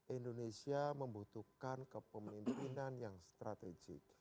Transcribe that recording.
indonesia membutuhkan kepemimpinan yang strategik